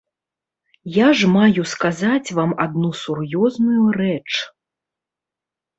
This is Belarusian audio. Я ж маю сказаць вам адну сур'ёзную рэч.